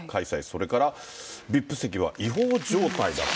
それからＶＩＰ席は違法状態だった。